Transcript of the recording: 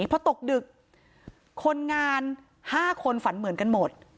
พอตกดึกคนงาน๕คนฝันเหมือนกันหมด